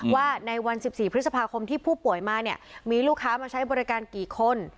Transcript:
ว่าในวัน๑๔พฤษภาคมที่ผู้ป่วยมาเนี่ยมีลูกค้ามาใช้บริการกี่คน